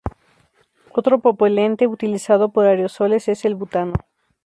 Otro propelente utilizado por aerosoles es el butano.